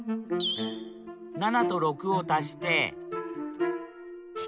７と６を足して１３。